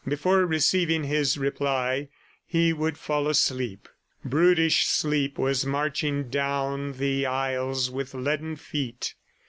Before receiving his reply, he would fall asleep. Brutish sleep was marching down the aisles with leaden feet.